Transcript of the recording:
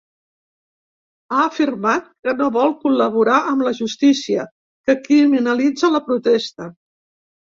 Ha afirmat que no vol col·laborar amb la justícia que criminalitza la protesta.